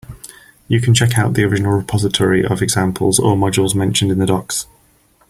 You can check out the original repository of examples or modules mentioned in the docs.